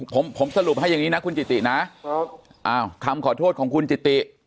ผมผมสรุปให้อย่างนี้นะคุณจิตินะคำขอโทษของคุณจิติ